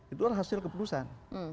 itulah hasil keputusan